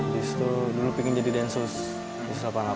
di situ dulu ingin jadi dansus